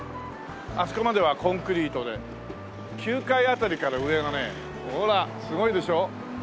あそこまではコンクリートで９階辺りから上はねほらすごいでしょ？